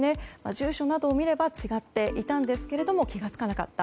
住所などを見れば違っていたんですが気が付かなかった。